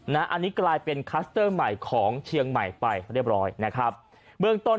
อันนี้กลายเป็นคลัสเตอร์ใหม่ของเชียงใหม่ไปเรียบร้อยนะครับเบื้องต้น